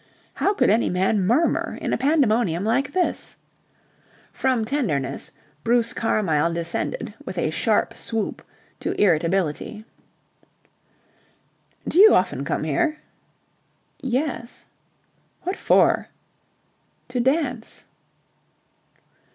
How could any man murmur in a pandemonium like this. From tenderness Bruce Carmyle descended with a sharp swoop to irritability. "Do you often come here?" "Yes." "What for?" "To dance."